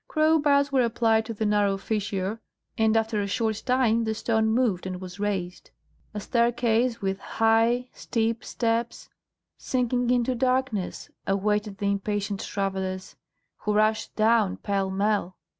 Crow bars were applied to the narrow fissure, and after a short time the stone moved and was raised. A staircase with high, steep steps, sinking into darkness, awaited the impatient travellers, who rushed down pell mell.